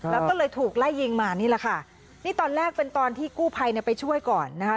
แล้วก็เลยถูกไล่ยิงมานี่แหละค่ะนี่ตอนแรกเป็นตอนที่กู้ภัยเนี่ยไปช่วยก่อนนะคะ